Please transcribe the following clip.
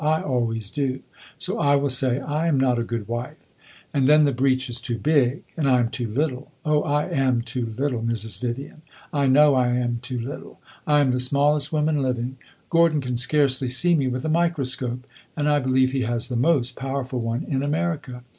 I always do; so I will say I am not a good wife. And then the breach is too big, and I am too little. Oh, I am too little, Mrs. Vivian; I know I am too little. I am the smallest woman living; Gordon can scarcely see me with a microscope, and I believe he has the most powerful one in America.